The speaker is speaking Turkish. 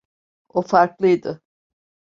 O farklıydı.